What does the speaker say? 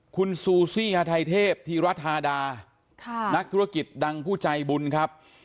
คุณซูซี่ฮาไทเทพธีรธาดานักธุรกิจดังผู้ใจบุญครับ